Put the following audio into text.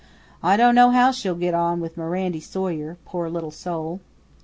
I don' know how she'll git on with Mirandy Sawyer poor little soul!"